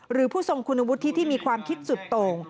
ผู้ทรงคุณวุฒิที่มีความคิดสุดโต่ง